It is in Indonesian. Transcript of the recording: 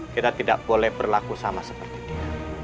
kita tidak boleh berlaku sama seperti dia